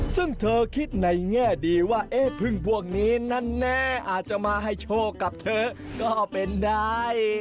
ซึ่งเธอคิดในแง่ดีว่าเอ๊ะพึ่งพวกนี้นั้นแน่อาจจะมาให้โชคกับเธอก็เป็นได้